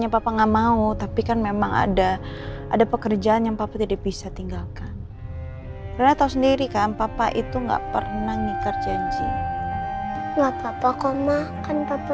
nggak usah saya udah ngerasa baikan kok